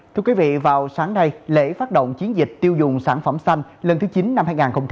thưa quý vị vào sáng nay lễ phát động chiến dịch tiêu dùng sản phẩm xanh lần thứ chín năm hai nghìn hai mươi